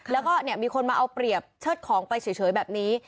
แล้วก็มีคนมาเอาเปรียบเชิดของไปเฉยแบบนี้